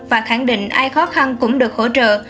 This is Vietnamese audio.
và khẳng định ai khó khăn cũng được hỗ trợ